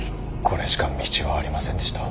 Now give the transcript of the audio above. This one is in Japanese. これしか道はありませんでした。